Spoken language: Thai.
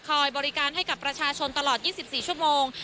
บริการให้กับประชาชนตลอด๒๔ชั่วโมง